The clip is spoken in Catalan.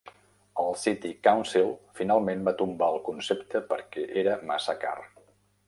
El City Council finalment va tombar el concepte perquè era massa car.